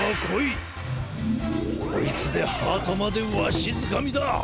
こいつでハートまでわしづかみだ！